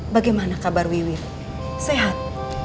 bagaimana kabar wiwi sehat